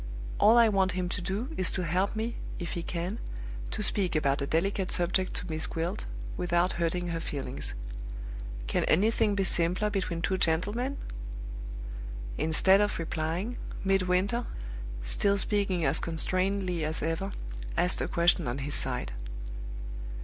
All I want him to do is to help me (if he can) to speak about a delicate subject to Miss Gwilt, without hurting her feelings. Can anything be simpler between two gentlemen?" Instead of replying, Midwinter, still speaking as constrainedly as ever, asked a question on his side.